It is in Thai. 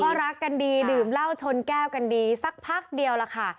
ก็รักกันดีดื่มเหล้าชนแก้วกันดีสักพักเดียวล่ะค่ะ